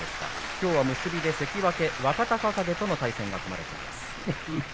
きょうは結びで関脇若隆景との対戦が組まれました。